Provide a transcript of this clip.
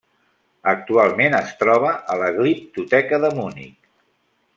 Actualment es troba a la Gliptoteca de Munic.